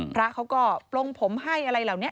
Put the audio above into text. พระเขาก็ปลงผมให้อะไรเหล่านี้